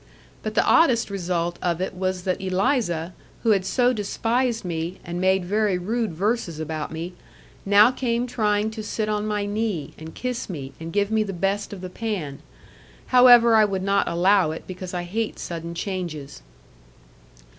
But the oddest result of it was that Eliza, who had so despised me, and made very rude verses about me, now came trying to sit on my knee, and kiss me, and give me the best of the pan. However, I would not allow it, because I hate sudden changes.